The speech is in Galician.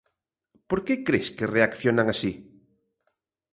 Por que cres que reaccionan así?